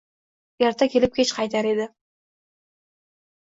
Erta ketib, kech qaytar edi.